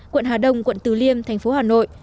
quận hà đông quận từ liêm thành phố hà nội